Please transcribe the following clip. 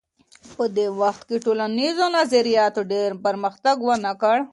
په دې وخت کي ټولنیزو نظریاتو ډېر پرمختګ ونه کړ.